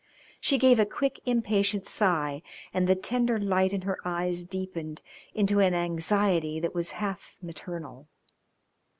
She gave a quick, impatient sigh, and the tender light in her eyes deepened into an anxiety that was half maternal.